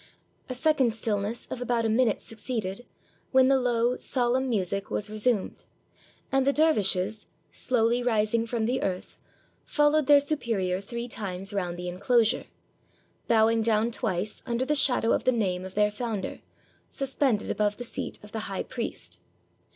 A second stillness of about a minute succeeded, when the low, solemn music was resumed, and the dervishes, slowly rising from the earth, followed their superior three times round the inclosure; bowing down twice under the shadow of the name of their founder, suspended above the seat of the high priest.